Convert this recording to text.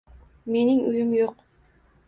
— Mening uyim yo‘q.